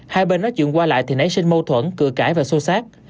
hai bên nói chuyện qua lại thì nấy sinh mâu thuẫn cửa cãi và xô xác